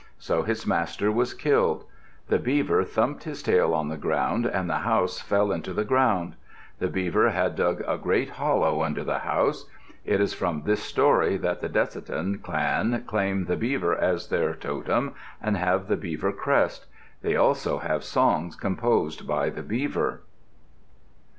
So his master was killed. The beaver thumped its tail on the ground and the house fell into the ground. The beaver had dug a great hollow under the house. It is from this story that the Decitan clan claim the beaver as their totem and have the beaver crest. They also have songs composed by the beaver.